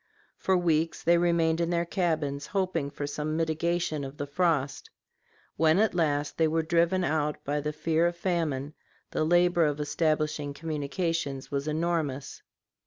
For weeks they remained in their cabins hoping for some mitigation of the frost. When at last they were driven out by the fear of famine, the labor of establishing communications was enormous.